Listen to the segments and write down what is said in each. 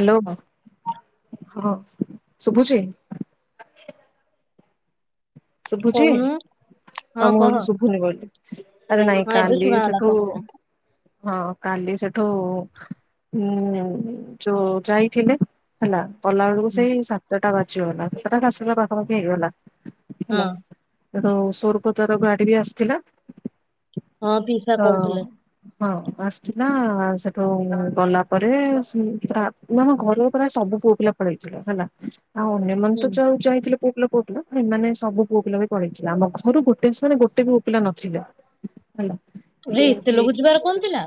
Hello ହଁ ହଁ। ଶୁଭୁଛି? ଶୁଭୁଛି କହୁନୁ ଆଉ ହଁ ମୁଁ କହ ଭାବିଲି ଶୁଭୁନି ବୋଲିି ଆରେ ନାଇ ହଁ ଏବେ କାଲି ଶୁଣାଗଲା ସେଠୁ କହ ହଁ କାଲି ସେଠୁ ଉଁ ଯୋଉ ଯାଇଥିଲେ ହେଲା କଲାବେଳକୁ ହୁଁ, ସେଇ ସାତଟା ବା ଝିଅ ଗଲା [unintelligible] ପାଖପାଖି ହେଇଗଲା। ହୁଁ। ହେଠୁ ସ୍ୱର୍ଗ ଦ୍ୱାରା ଗାଡି ବି ଆସିଥିଲା। ହଁ ପିସା ତ କହୁଥିଲେ। ହଁ ଆସିଥିଲା ସେଠୁ ଗଲା ପରେ ସେ ତା ମାନେ ଘରର ପୁରା ସବୁ ପୁଅ ପିଲା ପଳେଇଥିଲେ ହେଲା। ଆଉ ଅନ୍ୟମାନେ ହୁଁ ତ ଯଉ ଯାଇଥିଲେ ପୁଅ ପିଲା ପୁଅ ପିଲା ଏମାନେ ସ ସବୁ ପୁଅ ପିଲା ବି ପଳେଇଥିଲେ। ଆମ ଘରୁ ଗୋଟେବି ସେମାନେ ଗୋଟେ ବି ପୁଅ ପିଲା ନଥିଲେ। ହେଲା। ଭାଇ ଏତେ ଲୋକ ଯିବାର କଣ ଥିଲା?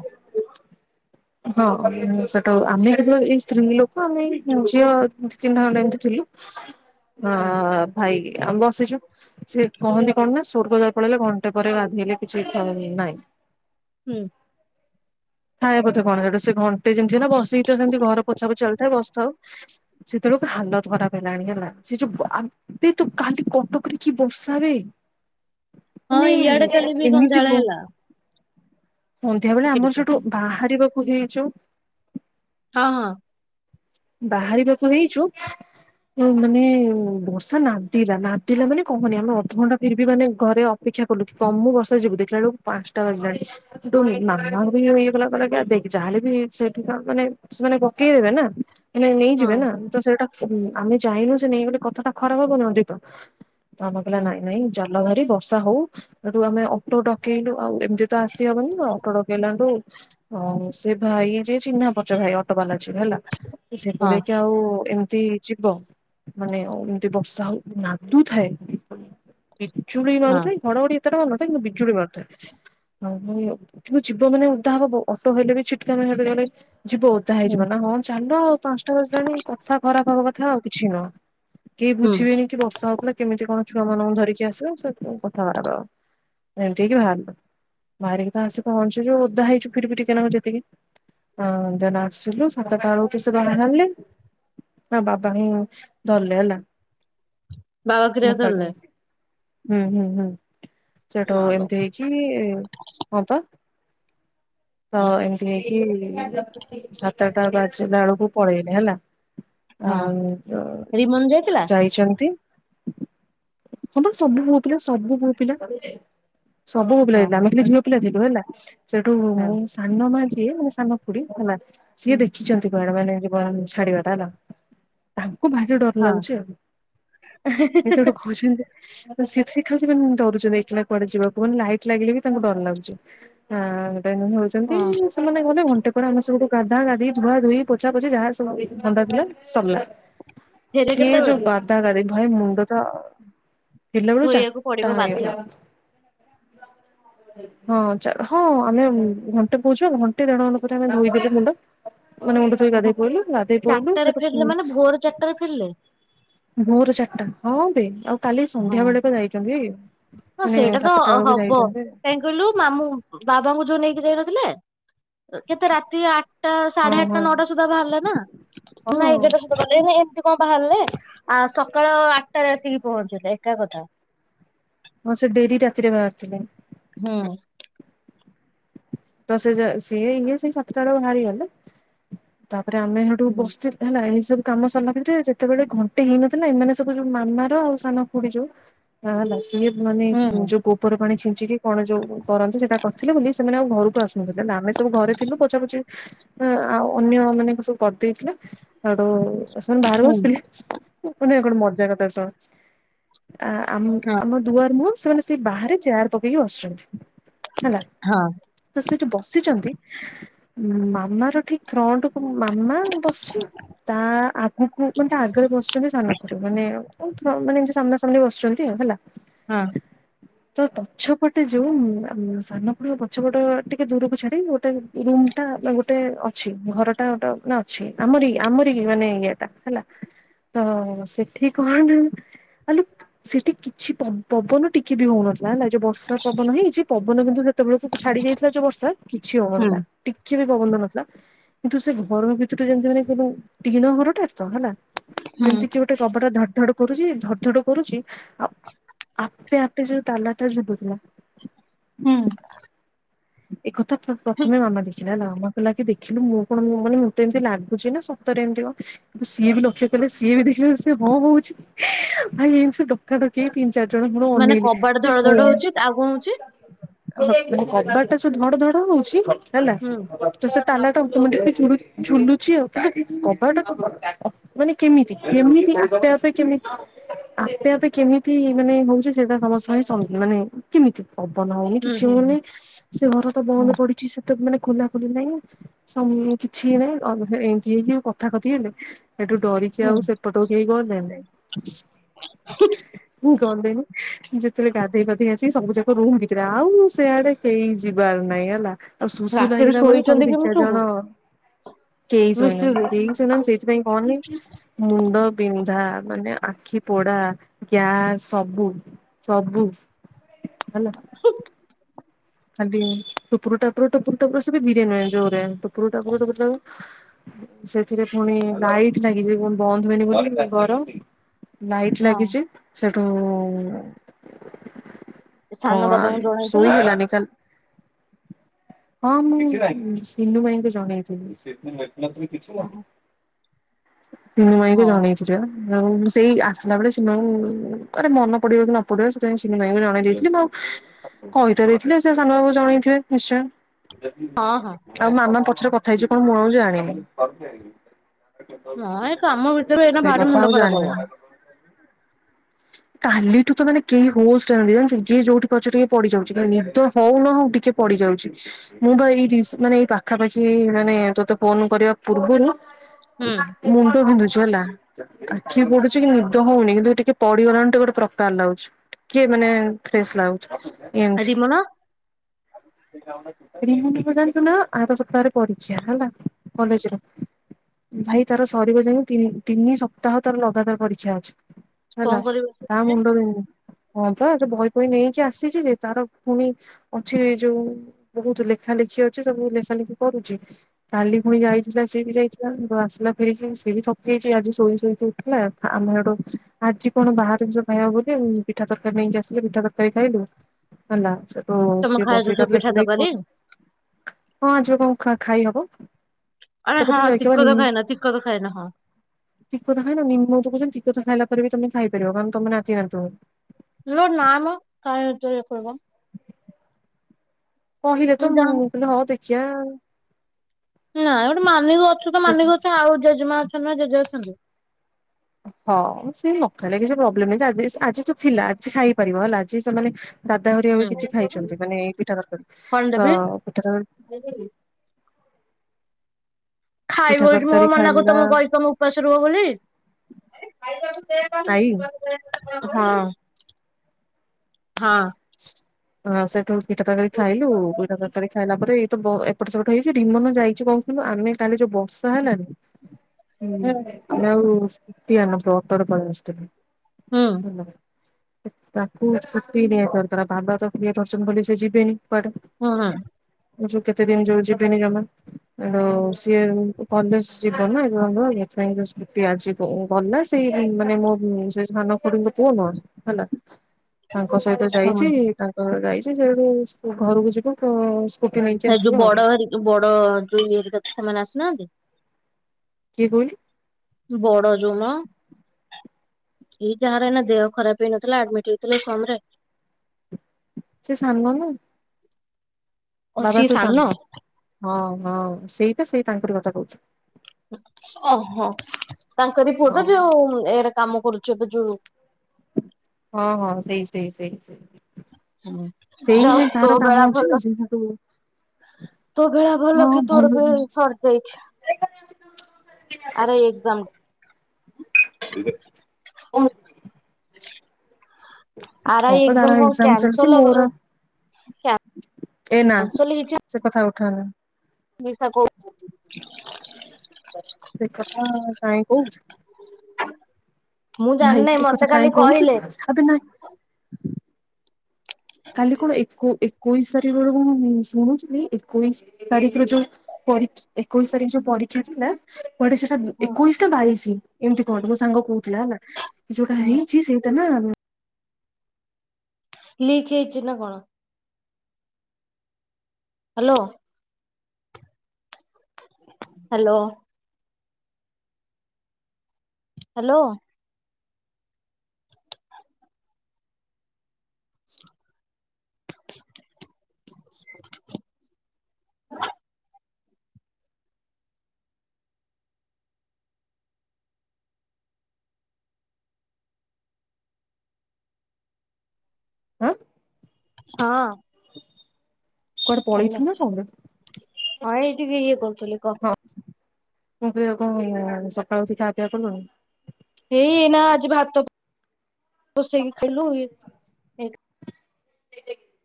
ହଁ ସେଟୁ ଆମେ କେବଳ ଏଇ ସ୍ତ୍ରୀ ଲୋକ ଆମେ ଏଇ ଝିଅ ଦି ତିନିଟା ଖଣ୍ଡେ ଏମତି ଥିଲୁ। ହଁ ହୁଁ ଭାଇ। ଏ ଆମ୍ ବସିି ଚୁ ସେ କହନ୍ତି କଣ ନା ସ୍ଵର୍ଗଦ୍ୱାର ପଳେଇଲେ ଘଣ୍ଟେ ପରେ ଗାଧେଇଲେ କିଛି କ୍ଷୟ ନାଇଁ। ହୁଁ। ଖାଇବା ପଥେ କଣ ହେ ରୋଷେଇ କଣ? ସେ ଯେମିତି ହେଲା ବସିକି ତ ସେମିତି ଘର ପୋଛା ପୋଛି ଚାଲିଥାଏ ବସି ଥାଉ। ସେତେବେଳକୁ ହାଲତ ଖରାପ ହେଲାଣି ହେଲା ସେ ଯୋଉ ଏବେ ତୁ କାଲି କଟକରେ କି ବର୍ଷା ବେ ମାନେ ହଁ ଇଆଡ଼େ କାଲି ବି ସନ୍ଧ୍ୟାବେଳେ ହେଲା। ସନ୍ଧ୍ୟାବେଳେ ଟିକେ ଆମର ଟିକେ ସାଡୁ ବାହାରିବାକୁ ହେଇଛୁ ହଁ ହଁ। ବାହାରିବାକୁ ହେଇଛୁ ମାନେ ବର୍ଷା ନାଦିଲା ନାଦିଲା ମାନେ କହନି ଆମେ ଅଧଘଣ୍ଟା ଫିର ବି ମାନେ ଘରେ ଅପେକ୍ଷା କଲୁ କି କମୁ ବର୍ଷା ଯିବୁ ଦେଖିଲା ବେଳକୁ ପାଞ୍ଚଟା ବାଜିଲାଣି ମାମା ଯୋଉ ଇଏ ଗଲା କହିଲା କି ଦେଖ ଯାହାହେଲେ ବି ସେଇଠି କ ମାନେ ସେମାନେ ପକେଇ ଦେବେ ନା। ମାନେ ହଁ ନେଇଯିବେ ନା ତ ସେଇଟା ଉଁ ଆମେ ଚାହିଁନୁ ସେ ନେଇଗଲେ କଥା ଟା ଖରାପ ହବନି ଅଧିକ ତ ଆମକୁ କହିଲା ହୁଁ ନାଇଁ ନାଇଁ ଯ ଘଡ଼ଘଡ଼ି ବର୍ଷା ହଉ ସେଠୁ ଆମେ ଅଟୋ ଡକେଇଲୁ ଆଉ ଏମିତି ତ ଆସି ହବନି ଅଟୋ ଡକେଇ ଇଲା ଠୁ ହଉ ସେ ଭାଇ ଯେ ଚିହ୍ନା ପରିଚୟ ଭାଇ ଅଟୋବାଲା ହେଲା ହଁ ସେପରେ କି ଆଉ ଏମତି ଏ ଯିବ ମାନେ ଏମିତି ବର୍ଷା ହଉ ନାଦୁଥାଏ ବିଜୁଳି ହଁ ମାରୁଥାଇ ଘଡଘଡି ଏତେଟା ହଉ। ନଥାଏ କିନ୍ତୁ ବିଜୁଳି ମାରୁଥାଏ ଆଉ କି ଯିବ ମାନେ ଓଦା ହବ ଅଟୋ ହେଲେ ବି ଛିଟକା ଜାଗା ବି ହବ ନାହିଁ ଯିବ ଓଦା ହୁଁ ହେଇଯିବ ନା ହଁ ଚାଲ। ଅଟୋ ପାଞ୍ଚଟା ବାଜିଲାଣି ହେଲାଣି କଥା ଖରାପ ହବ କଥା ଆଉ କିଛି ନୁହଁ। କେହି ହୁଁ ବୁଝିବେନି କି ବର୍ଷା ହଉଥିଲା କେମିତି କଣ? ଛୁଆ ମାନଙ୍କୁ ଧରିକି ଆସିବ ସେଇଥିପାଇଁ କଥା ବାରଟା ଏମିତି ହେଇି ବାହାରିଲୁ ବାହାରିକି ତ ଆସି ପହଞ୍ଚିଛୁ ଓଦା ହେଇଛୁ ଫିରି ଫି ଟିକେ ନାଗୁ ଯେତିକି ଅ ଦେନ ଆସିଲୁ ସାତଟା ବେଳକୁ ତ ସେ ବାହାରିଲେ ଆ ବାବା ହିଁ ଗଲେ ହେଲା। ବାବା କ୍ରିୟା ଧରିଲେ? ମୁକାକିନି ହୁଁ ହୁଁ ହୁଁ। ସେଠଉ ମାଲୋ ଏମତି ହେଇଛିି ହଁ ତ ହଁ ଏମିତି ହେଇ ସାତଟା ବାଜିଲା ବେଳକୁ ପଳେଇଲେ ହେଲା। ହଁ ଆଉ ତ ରିମନ ଯାଇଥିଲା ଯାଇଛନ୍ତି ହ ବା ସବୁ ପୁଅ ପିଲା ସବୁ ପୁଅ ପିଲା। ସବୁ ପୁଅ ପିଲା ଓହୋ ଆମେ ଖାଲି ଝିଅ ପିଲା ଥିଲୁ। ନୁହେଁ ନା [unintelligible] ସେଠୁ ହଁ ମୁଁ ହଁ ସାନ ମା। ସିଏ ମୋ ସାନ ଖୁଡି ହେଲା। ସିଏ ହୁଁ ଦେଖିଛନ୍ତି କହା ମାନେ ଏଇଠି କଣ ଛାଡିବା ଟା ହେଲା। ଖୁବ୍ ଭାରି ଡର ହଁ ଲାଗୁଛି ଆଉ ସେ ସେଠୁ କହୁଛନ୍ତି। [unintelligible] ସେ ସେଠୀ ଡରୁଛନ୍ତି ଏକଲା କୁଆଡେ ଯିବାକୁ ମାନେ ଲାଇଟ୍ ଲାଗିଲେ ବି ତାଙ୍କୁ ଡର ଲାଗୁଛି ହଁ। ହଉଛନ୍ତି ହଁ ସେମାନେ ଗଲେ ଘଣ୍ଟେ ପରେ ଆମ ସେଠୁ ଗାଧା ଗାଧି ଧୁଆ ଧୋଇ ପୋଛା ପୋଛି ଯାହା ଅ। ଥଣ୍ଡା ଥିଲା ସରିଲା ଫେରେ ସିଏ ଯୋଉ କେତେବେଳେ ବାଧାକାର ଭାଇ ମୁଣ୍ଡା ଟା ଫେରିଲା ବେଳକୁ ଚାର ଧୋଇବାକୁ ଟା ପଡିବ ହେଇ ବାଧ୍ୟ ଗଲା ହଁ। ହଁ ଆମେ ଘଣ୍ଟେ ପଉଛୁ ଘଣ୍ଟେ ଦେଢ଼ ଘଣ୍ଟା ପରେ ଆମେ ଧୋଇଦେଲେୁ ମୁଣ୍ଡ। ମାନେ ମୁଣ୍ଡ ଧୋଇ ଓହୋ ଗାଧେଇ ପହିଲୁ ଗାଧେଇ ପହିଲୁ ଚାରିଟାରେ ସେଟୁ ଫେରିଲେ ମାନେ ଭୋର ଚାରିଟାରେ ଫେରିଲେ ଭୋର ଚାରିଟା ହଁ ବେ କାଲି ସନ୍ଧ୍ୟା ହଁ ବେଳକୁ ଯାଇଛନ୍ତି ହଁ ମାନେ ସେଇଟା ତ ସାତଟା ବେଳକୁ ହବ ଯାଇଛନ୍ତି। କାହିଁ କହିଲୁ ମାମୁଁ ବାବାଙ୍କୁ ଯୋଉ ନେଇକି ଯାଇନଥିଲେ କେତେ ରାତି ଆଠ ଟା ହଁ ସାଢେ ଆଠଟା ହଁ। ନଅଟା ସୁଧା ବାହାରିଲେ ନା ଏଗାର ଟା ହଁ ସୁଧା ଏମିତି କଣ ବାହାରିଲେ। ଆ ସକାଳ ଆଠଟାରେ ଆସିକି ପହଞ୍ଚିଲେ ଏକା କଥା। ହଁ ସେ ଡେରି ରାତିରେ ବାହାରି ଥିଲେ। ହୁଁ। ବ ସେ ଯ ସିଏ ଇଏ ସେ ସାତ ଟା ବେଳୁ ବାହାରିଗଲେ ତା ଆରେ ଆମେ ଏଇଠୁ ହୁଁ ବସିଥିଲୁ ହେଲା ଏଇ ସବୁ କାମ ସରିଲା ଭିତରେ ଯେତେବେଳେ ଘଣ୍ଟେ ହେଇନଥିଲା ଏମାନେ ସବୁ ଯୋଉ ମାମାର ଆଉ ସାନ ଖୁଡି ଯୋଉ ହେଲା। ସିଏ ମାନେ ହୁଁ ଯୋଉ ଗୋବର ପାଣି ଛିଞ୍ଚି ଏଠିକି କଣ ଯୋଉ କରନ୍ତି ସେଟା କରିଥିଲେ ବୋଲି ସେମାନେ ଆଉ ଘରୁ [unintelligible] ହେଲେ ଆମେ ସବୁ ଘରେ ଥିଲୁ ପୋ‌ଛା ପୋଛି ଆଉ ଅନ୍ୟ ମାନେ ସବୁ କରିଦେଇଥିଲେ ହେଠୁ ସେମାନେ ବାହାରେ ହୁଁ ବସିଥିଲି ମାନେ କଣ ମଜା କଥା ଶୁଣ୍? ଆ ଆମ ହଁ ଆମ ଦୁଆର ମୁହଁ ସେମାନେ ସେ ବାହାରେ ଚେୟାର ପକେଇକି ବସିଛନ୍ତି। ହେଲା ହଁ। ତ ସେଠି ବସିଛନ୍ତି ମାମା ର ଠିକ ଫ୍ରଣ୍ଟ କୁ ମାମା ବସିଚି ତା ଆଗକୁ ମାନେ ସେ ଆଗରେ ବସୁଛନ୍ତି ସାନଖୁଡ଼ୀ ମାନେ ହଁ ମାନେ ସାମ୍ନା ସାମ୍ନି ବସୁଛନ୍ତି ହେଲା। ହଁ। ତ ପଛପଟେ ଯୋଉ ସାନଖୁଡ଼ୀଙ୍କ ପ ପଛ ପଟ ଟିକେ ଦୂରକୁ ଛାଡି଼ ଗୋଟେ ରୁମ୍ ଟା ଗୋଟେ ଅଛି ଘରଟା ଗୋଟେ ମାନେ ଅଛି ଆମରି ଆମରି ମାନେ ଇଏଟା ହେଲା ତ ସେଠି କଣ ନା ଆଲୋ ସେଠି କିଛି ପବନ ଟିକେ ବି ହଉନଥିଲା ହେଲାକି ଯୋଉ ବର୍ଷା ପବନ ହେଇଛି ପବନ କିନ୍ତୁ ଯେତେବେଳେ ସେ ଛାଡି ଯାଇଥିଲା ଯୋଉ ବର୍ଷା କିଛି ହୁଁ ହଉନଥିଲା ଟିକେ ବି ପବନ ନଥିଲା କିନ୍ତୁ ସେ ଘର ଭିତରେ ଯେମିତି ମାନେ ଟିଣ ଘରଟା ତ ହେଲା ହୁଁ ଯେମିତି କିଏ ଗୋଟେ କବଟା ଧାଡୁ଼ ଧାଡୁ଼ କରୁଛି ଧଡ଼ ଧଡ଼ କରୁଛି ଆପ୍ ଆପେ ଆପ୍ [unintelligible] ହୁଁ। ଏକଥା ପ୍ରଥମେ ମାମା ଦେଖିବେ ଯା ମାମା କହିଲା କି ଦେଖିଲୁ ମୁଁ କଣ ମାନେ ମୁଁ ତ ଏମିତି ଲାଗୁଛି ନା ସତରେ ଏମିତି କଣ କିନ୍ତୁ ସିଏ ବି ଲକ୍ଷ କଲେ ସିଏ ବି ଦେଖିଲେ ସିଏ ଭଁ ହଉଛି ଭାଇ ଏମିତି ଟୋକା ଟା କିଏ ତିନି ଚାରି ଜଣ ପୁଣି ମାନେ ଅନେଇଲେ କବାଡ ଧଡ ଧଡ ହଉଛି ଆଉ କଣ ହଉଛି? [unintelligible] ଏଟା ଯୋଉ ଧଡ଼ ଧଡ଼ ହଉଛି ହେଲା ହୁଁ ତ ସେ ତାଲା ଟାକୁ ଝୁଲୁଛି ଆଉ କବାଟା ମାନେ କେମିତି କେମତି ଆପେ ଆପେ କେମିତି ଆପେ ଆପେ କେମିତି ମାନେ ହଉଛି ସେଇଟା ସମସ୍ତଙ୍କ ପାଇଁ ସନ୍ଦେହ ମାନେ କେମିତି ପବନ ହଉନି ହୁଁ କିଛି ହୁଁ ହଉନି ସେ ଘର ତ ହୁଁ ବନ୍ଦ ପଡିଛି ସେ ତ ମାନେ ଖୋଲା ଖୋଲି ନାଇଁ ସମ କିଛି ନାଇଁ ଏନ୍ତି ହେଇକି ଯୋଉ କଥାକଥି ହେଲେ ଏଠୁ ଡରିକି ହୁଁ ଆଉ ସେପଟକୁ କେହି ଗଲେ ନାଇଁ। [inaudible] [inaudible] ଗଲେନି ଯେତେବେଳେ ଗାଧେଇ ପାଧେଇ ଆସିଛି ସବୁ ଯାକ ରୁମ ଭିତରେ ଆଉ ସେଆଡେ କେଇ ଯି ଯିବାର ନାହିଁ ହେଲା। ଆଉ ସୁଶୁ ରାତିରେ ଲାଗିଲା ମାନେ ସବୁ ଶୋଇଛନ୍ତି ଦି କେମିତି ଚାରି ସବୁ ଜଣ କେହି ମିଶିକି ଶୋଇନାହାନ୍ତି କେହି ଶୋଇନାହାନ୍ତି ସେଇଥିପାଇଁ କହନି ମୁଣ୍ଡ ବିନ୍ଧା ମାନେ ଆଖି ପୋଡା ଗ୍ୟାସ ସବୁ ସବୁ ହେଲା। [inaudible] ଖାଲି ଟୁପୁର ଟାପୁରୁ ଟୁପୁର ଟାପୁର ସେ ବି ଧୀରେ ନୁହେଁ ଜୋରେ ଟୁପୁର ଟାପୁରୁ ସେଥିରେ ପୁଣି ଲାଇଟ ଲାଗିଛି ବନ୍ଦ ହୁଏନି ବୋଲି ଗରମ୍ ଲାଇଟ୍ ହଁ ଲାଗିଛି ସେ। [unintelligible] ସାନ ବାବାଙ୍କୁ ଭଗବାନ ଶୋଇ ଜଣେଇଥିଲୁ ହେଲାନି। ହଁ ମୁଁ ସିଲୁ ଭାଇଙ୍କୁ ଜଣେଇଥିଲି। ହଁ [unintelligible] ହଁ ମୁଁ ଏମିତି ଜଣେଇଥିଲି ପା ଆଉ ସେଇ ଆସିଲା ବେଳେ ସେମାଙ୍କୁ ମନେ ପଡିବ କି ନ ପଡିବ ସେଥିପାଇଁ ସିଲୁ ଭାଇ କୁ ଜଣେଇ ଦେଇଥିଲି ମୁଁ ଆଉ କହି ଥିଲେ ସେ ସାନ ବାବୁ ଜଣେଇଥିବେ ହଁ ହଁ ନିଶ୍ଚୟ। ଆଉ ମାମା ପଛରେ କଥା। ଖାଇଛୁ କଣ ମୁ ଆଉ ଆଣିନି ହଁ ଏ କାମ ଭିତରେ ଏଇନା ସେ ଭାରି କଥା ମୁଣ୍ଡ ଆଉ ଖରାପ ହବ ଜାଣିନି କାଲିଠୁ ତ ମାନେ କେହି ହୋସ୍ ରେ ନାହାନ୍ତି ଜାଣିଛୁ ଯିଏ ଯୋଉଠି ପାରୁଛି ସେଇଠି ଟିକେ ପଡିଯାଉଛି। ତ ହଉନ ହଉ ଟିକେ ପଡି ଯାଉଛି ମୁଁ ବା ଏଇ ମାନେ ଏଇ ପାଖାପାଖି ମାନେ ତୋତେ ଫୋନ କରିବା ପୂର୍ବରୁ ହୁଁ ମୁଣ୍ଡ ବିନ୍ଧୁଛି। ଚୋଲା ଆଖି ପଡୁଛି କି ନିଦ ହଉନି କିନ୍ତୁ ଟିକେ ପଡିଗଲାଣି ଟିକେ ଗୋଟେ ପ୍ରକାର ଲାଗୁଛି ଟିକେ ମାନେ ଫ୍ରେଶ ଲାଗୁଛି। ଆଜି କଣ? ରିନୁ ଏ ଜାଣିଛୁନା ଆର ସପ୍ତାହରେ ପରୀକ୍ଷା ହେଲା କଲେଜ ରେ ଭାଇ ତାର ସରିବ ଯେମିତି ତିନି ସପ୍ତାହ ତାର ଲଗାତାର ପରୀକ୍ଷା ଅଛି। କଣ ହେଲା କରିବ ତା ସେ ମୁଣ୍ଡ ବିି ହଁ ତ ଏ ବହି ଫହି ନେଇକି ଆସିଛି ଯେ ତାର ପୁଣି ଅଛି ଯୋଉ ବହୁତ ଲେଖା ଲେଖି ଅଛି ସବୁ ଲେଖା ଲେଖି କରୁଛି। କାଲି ପୁଣି ଯାଇଥିଲା ସେଇ ବି ଯାଇଛି। ପୁଅ ଆସିଲା ଖେଳିକି ସିଏ ବି ଥକି ଯାଇଛି ଆଜି ଶୋଇ ଶୋଇକି ଉଠିଲା ଆମେ ହେଟୁ ଆଜି କଣ ବାହାର ଜିନିଷ ଖାଇବ ବୋଲି ପିଠା ତରକାରୀ ନେଇକି ଆସିଲି ପିଠା ତରକାରୀ ଖାଇଲୁ ହେଲା ସେ ତ ତମେ ସିଏ ଖାଇଛ ବସେଇ ସବୁ ତାର ଲେଖା ପିଠା ଲେଖି ତରକାରୀ କରୁଛି ହଁ। ଖା ଖା ଖାଇ ହବ। [unintelligible] ଆରେ କଥା ହଁ ତିକତ ଖାଇନ ତିକତ ଖାଇନ ହଁ ଖାଇଲା ପରେ ବି ତମେ ଖାଇ ପାରିବ କାରଣ ତମ ନାତି ଆଣିଥିବ। ଲୋ ନା ମ କାଇଁ ଶୁଣୁଛ ଏତେ କଥା। କହିଲେ ତ ମୁଁ କହିଲେ ହଉ ଦେଖ। ସେୟା। ନା ଗୋଟେ ମାନିକି ଅଛି। ତୁତ ମାନିକି ଅଛୁ ଆଉ। ଜେଜ ମା ଅଛନ୍ତି ନା ଜେଜେ ଅଛନ୍ତି? ହଁ ସେ ନଖାଲେ କିଛି ପ୍ରବ୍ଲେମ ନାହିଁ ଯେ ଆଜି ସେ ଆଜି ତ ଥିଲା ଆଜି ଖାଇପାରିବ ହେଲା ଆଜି ସେମାନେ ଦାଦା ହରିକା ବି କିଛି ହୁଁ ଖାଇଚନ୍ତି ମାନେ ଏଇ ପିଠା ତରକାରୀ କଣ ତ ଦେବି ପିଠାତର ଖାଇବ ଏଟି ମୁଁ କଣ ତରକାରୀ ମନା କରୁ ଖାଇଲା ତମ କହିଲ ତମେ ଉପାସ ରୁହ ବୋଲି। ଆଈ [inaudible] ହଁ ହଁ ହଁ ସେଠୁ ପିଠାଟା ତରକାରୀ ଖାଇଲୁ ପିଠାଟା ତରକାରୀ ଖାଇଲା ପରେ ଏଇ ତ ଏପଟ ସେପଟ ହେଇଚି ଢିମନ ଯାଇଚୁ କଣ କଥିଲୁ ଆମେ କାଲି ଯୋଉ ବର୍ଷା ହେଲାନି ହୁଁ ଆମେ ଆଉ ପିଆନଙ୍କ ଅଟରେ ପଳିଆସିଥିଲି। ହେଲା। ତାକୁ ସ୍କୁଟିଟିଏ ଦର ତା ବାବା ତ [unintelligible] ବୋଲି ସିଏ ଯିବେନି। ହଁ ହାଁ ଏ ଯୋଉ କେତେ ଦିନ ଯୋଉ ଯିବେନି ଜମା ଏଟୁ ସିଏ କନ୍ଦେସ୍ ଜୀବନି ନୂଆ ନୂଆ ହେଇଥିପାଇଁକା ସ୍କୁଟି ଆଜି ବ ବନା ସେଇ ମାନେ ମୋ ସେ ସାନ ଖୁଡ଼ିଙ୍କ ପୁଅ ନୁହଁ ହେଲା ତାଙ୍କ ସହିତ ହୁଁ ଯାଇଚି ତାଙ୍କର ରାଇ ସେ ସେଉଠୁ ସ୍କୁ ଘରୁକୁ ଯିବ ତ ହେ ଯୋଉ ବଡ ହାରି ବଡ ଯୋଉ ଇଏରେ ତା ସେମାନେ ଆସିନାହାନ୍ତି? କିଏ କହିଲୁ? ବଡ ଯୋଉ ମ ଏଇ ଯାହାର ଏନା ଦେହ ଖରାପ ହେଇନଥିଲା ଆଡମିଟ ହେଇଥିଲେ ସମରେ। ସେ ସାନ ନାଁ। ଓଃ ସିଏ ସାନ? ହଁ ହଁ ସେଇପା ସେଇ ତାଙ୍କର କଥା କହୁଚି। ଅହ ତାଙ୍କରି ପୁଅ ତ ହଁ ଯୋଉ ଏରେ କାମ କରୁଚି ଏବେ ଯୋଉ ହଁ ହଁ ସେଇ ସେଇ ସେଇ ସେଇ। ହଁ ଯାଉ ସେଇ ତୋ ତାର କାମ ବେଳା ଅଛି ନା ଭଲ ସେ ସେଠୁ ତୋ ବେଳା ଭଲ କି ତୋର ବେ ସରିଯାଇଛି ଆର ଏଗ୍ଜାମ। ଓ ଆର ହଁ ଆଇ ପା ଏକ୍ଜାମ ତାର କଣ ଏଗ୍ଜାମ ଚାଲିଚି କ୍ୟାନସଲ ମୋର କ୍ୟାନସଲ ଏ ନାଁ ସେ କଥା ଉ ହଁ। ମିଠା କୋଉ ସେ କଥା କାହିଁ କହୁଚୁ? ମୁଁ ଭାଇ ଜାଣିନାହିଁ ଏ ମତେ କଥା କାଲି କାଇଁ କହୁଚୁ କହିଲେ। ତୁ ଅବେ ନାଇଁ କାଲି କଣ ଏକୋ ଏକୋଇଶି ତାରିଖ ବେଳେ କଣ ମୁଁ ଶୁଣୁଥିଲି ଏକୋଇଶି ଏକାଡିକିରେ ଯୋଉ ପରୀ ଏକୋଇଶ ତାରିଖ ଯୋଉ ପରୀକ୍ଷା ଥିଲା କୁଆଡ଼େ ସେଟା ହଁ ଏକୋଇଶିଟା ବାଇଶି ଏମତି କଣ ମୋ ସାଙ୍ଗ କୋହୁଥୁଲା ହେଲା ଯୋଉଟା ହଁ। ହେଇଚି ସେଇଟା ନାଁ ଉଁ ଲିକ ହେଇଚ ନା କଣ? ହ୍ୟାଲୋ। ହ୍ୟାଲୋ। ହ୍ୟାଲୋ। [unintelligible] [inaudible] ଆଁ ହଁ। କୁଆଡେ ହ୍ୟାଲୋ। ପଳେଇଛୁ କଣ? ହଁ ଏଇ ଟିକେ ଇଏ କରୁ କରୁଥିଲି କହ ହଁ ମୁଁ ତ କଣ ସକାଳୁ ଉଠି ଖାଆ ପିଆ କଲୁଣି ଏଇ ନା ଆଜି ଭାତ। ବସେଇଥିଲୁ ଇଏ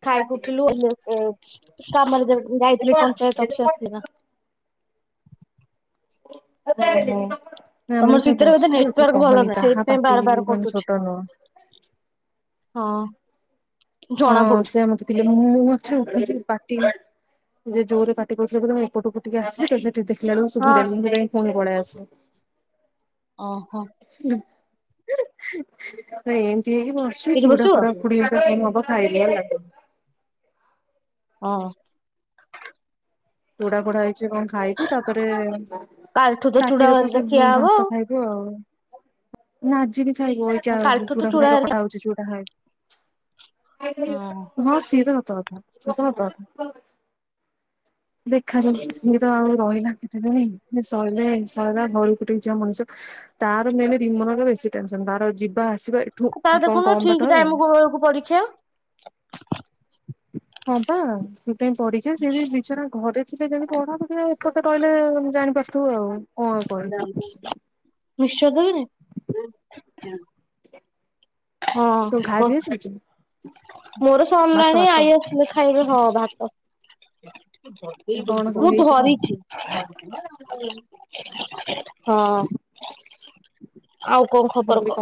ଖାଇକି ଉଠିଲୁ କାମରେ ଯାଇଥିଲୁ ପଞ୍ଚାୟତ ଅଫିସ ଆସିଲି ଏଇନା ଓହୋ ଆମେ ତମର ତ ସବୁ ଭିତରେ ବୋଧେ ବସିଚୁ ନେଟୱାର୍କ ଭଲ କହନି ନାହିଁ କାହା ସେଇଥିପାଇଁ ପାଟି ବାର ବାର ମାନେ କଟୁଛି। ଛୋଟ ନୁହଁ। ହଁ। ଜଣା ହଁ ପଡୁଛି। ସେ ମତେ ଟିକେ ମୁଁ ଅଛି ଉପରେ। ଜୋରେ ପାଟି କରୁଛନ୍ତି ଏପଟ କୁ ଟିକେ ଆସିଲି ତ ଦେଖିଲା ବେଳକୁ ହଁ। ସବୁ ମାମୁଁ ମାଇଁ ପୁଣି ପଲେଇ ଆସି [inaudible] ଓହୋ। [unintelligible] ଏଇ ଏଇଠି ବସିଚ୍ ଚୁଡା ବସିବ? ଫୁାଡା ଫୁଣି ହବ ଖାଇଲେ ହେଲା। ହଁ ପୋଡା ପୋଡା ହେଇଛି କଣ ଖାଇବୁ ତାପରେ କାଲିଠୁ ଚୁଡା ରାତିରେ ତ ହେରିକା ସେ ଖିଆ ହବ ଭାତ ଖାଇବୁ ଆଉ ନା ଆଜିି ଏଇାଉୁ ଆଉ କାଲିଠୁ ତ ଚୁଡା ଫୁଡ଼ା ହେରିକା ଚକଟା ହଉଛି ଚୁଡାଏ ବାଷି ତ ଥା ଥା ସେଥା ଦେଖାରେ ଏ ତ ଆଉ ରହିଲା କେତେ ଦିନି ସିଇଲେ ସରିଲା ଘରକୁ ଟିକେ ଜିବ ମଣିଷ ତାର ମେନ୍ ରିମନର ବେଶୀ ଟେନସନ ତାର ଯିବା ଆସି ତା ଦେଖନୁ ଠିକ ଟାଇମ କୁ ବେଳକୁ ପରୀକ୍ଷା। ହଁ ପା ସେଥିାପାଇଁ ପଡିକ୍ଷା ସେ ବିଚରା ଘରେ ଟିକେ ଯଦି ପଢନ୍ତେ ଏପଟେ ରହିଲେ ଜାଣିପାରୁ ତୁ ଆଉ କଣ କହିବି [unintelligible] ବିଶ। [unintelligible] ତୁ ହୁଁ ଖାଇ କୁ ପିଇ ସାରିଛୁ ମୋର ଭାତ ସରିଲାଣି ଭାତ ଆଇ ଆସିଲେ ଖାଇବେ ହଁ ଭାତ ହ କଣ [inaudible] ସବୁ ମୁଁ ହେଇଛି କଣ ଧରିଛି [inaudible] [unintelligible] ହଁ ଆଉ କଣ ମୁଁ ଖବର କହିଲି କହ।